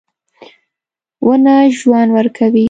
• ونه ژوند ورکوي.